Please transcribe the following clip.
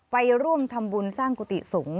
ไปร่วมทำบุญสร้างกุฏิสงฆ์